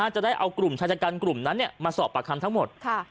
จะได้เอากลุ่มชายชะกันกลุ่มนั้นมาสอบปากคำทั้งหมด